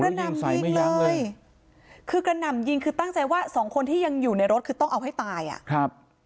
หนำยิงเลยคือกระหน่ำยิงคือตั้งใจว่าสองคนที่ยังอยู่ในรถคือต้องเอาให้ตายอ่ะครับ